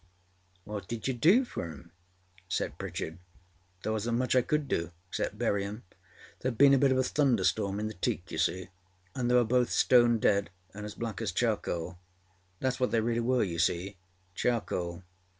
â âWhat did you do for âem?â said Pritchard. âThere wasnât much I could do, except bury âem. Thereâd been a bit of a thunderstorm in the teak, you see, and they were both stone dead and as black as charcoal. Thatâs what they really were, you seeâcharcoal.